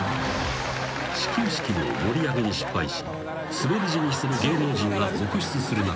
［始球式の盛り上げに失敗しスベリ死にする芸能人が続出する中］